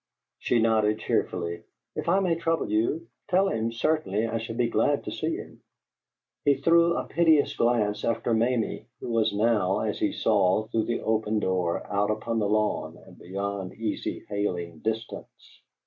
She nodded cheerfully. "If I may trouble you. Tell him, certainly, I shall be glad to see him." He threw a piteous glance after Mamie, who was now, as he saw, through the open door, out upon the lawn and beyond easy hailing distance.